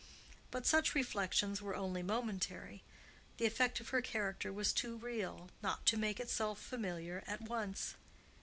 But such reflections were only momentary; the effect of her character was too real not to make itself familiar at once.